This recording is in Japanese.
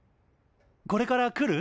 これから来る？